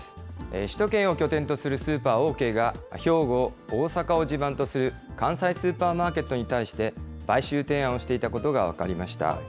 首都圏を拠点とするスーパー、オーケーが兵庫、大阪を地盤とする関西スーパーマーケットに対して、買収提案をしていたことが分かりました。